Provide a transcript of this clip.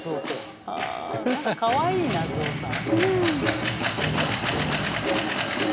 はあ何かかわいいな象さん。